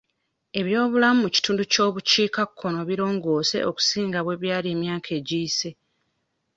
Eby'obulamu mu kitundu ky'obukiikakkono birongoose okusinga bwe byali emyaka egiyise.